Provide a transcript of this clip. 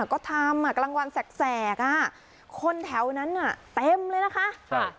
ก็ทำอ่ะกลางวันแสกอ่ะคนแถวนั้นอ่ะเต็มเลยนะคะใช่